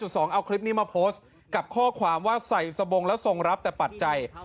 เอาคลิปนี้มาโพสต์กับข้อความว่าใส่สบงแล้วทรงรับแต่ปัจจัย